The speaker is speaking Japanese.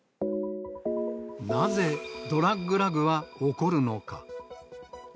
なぜドラッグ・ラグは起こるのか。